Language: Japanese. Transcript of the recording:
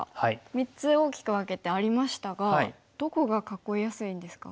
３つ大きく分けてありましたがどこが囲いやすいんですか一番。